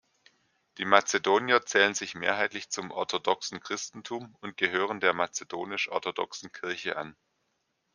Die Mazedonier zählen sich mehrheitlich zum orthodoxen Christentum und gehören der Mazedonisch-Orthodoxen Kirche an.